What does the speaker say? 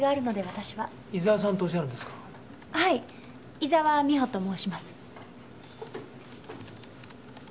伊沢美穂と申します。